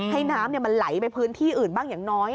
ให้น้ำมันไหลไปพื้นที่อื่นบ้างอย่างน้อย